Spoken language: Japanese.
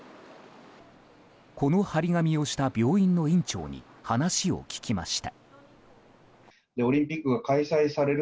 この貼り紙をした病院の院長に話を聞きました。